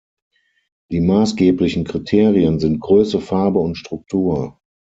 Die maßgeblichen Kriterien sind Größe, Farbe und Struktur.